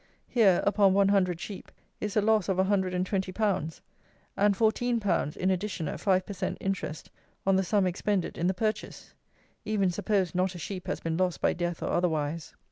Here (upon one hundred sheep) is a loss of 120_l._ and 14_l._ in addition at five per cent. interest on the sum expended in the purchase; even suppose not a sheep has been lost by death or otherwise.